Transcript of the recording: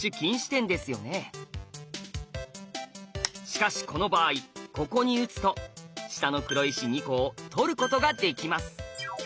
しかしこの場合ここに打つと下の黒石２個を取ることができます。